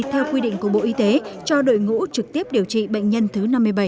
theo quy định của bộ y tế cho đội ngũ trực tiếp điều trị bệnh nhân thứ năm mươi bảy